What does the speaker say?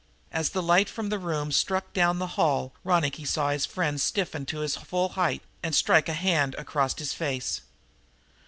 As the light from the room struck down the hall Ronicky saw his friend stiffen to his full height and strike a hand across his face.